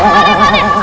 pak d pak d pak d